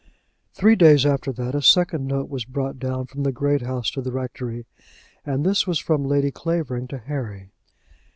Three days after that a second note was brought down from the great house to the rectory, and this was from Lady Clavering to Harry.